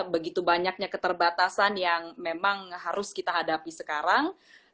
begitu banyaknya keterbatasan yang memang harus kita hadapi sekarang